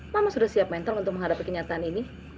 mama sudah siap mental untuk menghadapi kenyataan ini